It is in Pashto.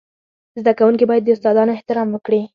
زده کوونکي باید د استادانو احترام وکړي.